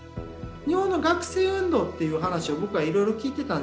日本の学生運動っていう話を僕はいろいろ聞いてたんですね